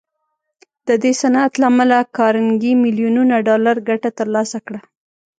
د دې صنعت له امله کارنګي ميليونونه ډالر ګټه تر لاسه کړه.